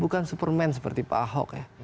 bukan superman seperti pak ahok ya